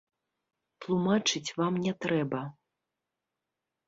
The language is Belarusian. Тлумачыць вам не трэба.